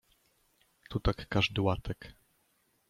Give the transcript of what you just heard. Tu tak każdy łatek.